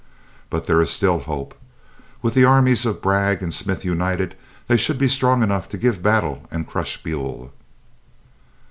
But there is still hope. With the armies of Bragg and Smith united, they should be strong enough to give battle and crush Buell."